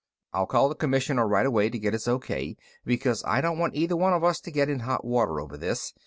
"I'll call the Commissioner right away to get his O.K., because I don't want either one of us to get in hot water over this.